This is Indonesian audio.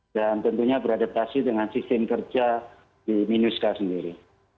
dan tentunya beradaptasi dengan sistem kerja di minusca sendiri